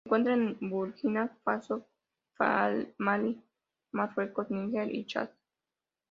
Se encuentra en Burkina Faso Malí Marruecos Níger y chad.